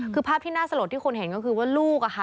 คือภาพที่น่าสลดที่คนเห็นก็คือว่าลูกอะค่ะ